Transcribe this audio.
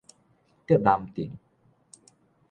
竹南鎮